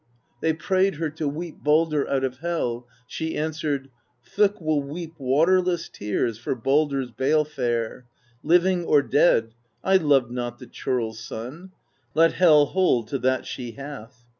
They prayed her to weep Baldr out of Hel j she answered: Thokk will weep waterless tears For Baldr's bale fare; Living or dead, I loved not the churl's son; Let Hel hold to that she hath